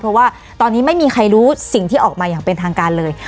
เพราะว่าตอนนี้ไม่มีใครรู้สิ่งที่ออกมาอย่างเป็นทางการเลย